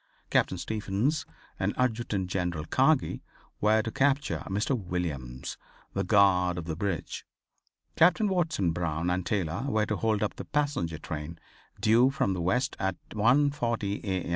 Captain Stephens and Adjutant General Kagi were to capture Mr. Williams, the guard of the bridge. Captain Watson Brown and Taylor were to hold up the passenger train due from the west at 1:40 A.